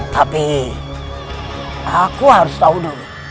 tapi aku harus tahu dulu